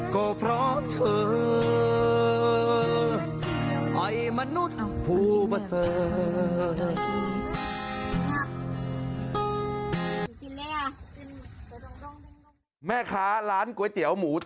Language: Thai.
ก็เพราะเธอ